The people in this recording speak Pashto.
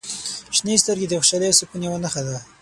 • شنې سترګې د خوشحالۍ او سکون یوه نښه دي.